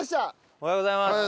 おはようございます。